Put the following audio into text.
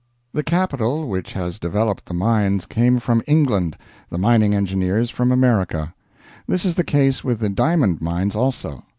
The capital which has developed the mines came from England, the mining engineers from America. This is the case with the diamond mines also.